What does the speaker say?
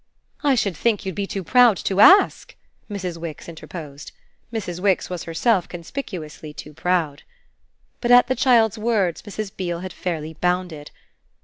"I should think you'd be too proud to ask!" Mrs. Wix interposed. Mrs. Wix was herself conspicuously too proud. But at the child's words Mrs. Beale had fairly bounded.